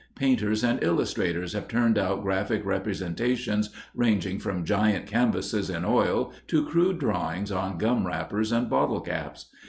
Painters and illustrators have turned out graphic representations ranging from giant canvases in oil to crude drawings on gum wrappers and bottle caps.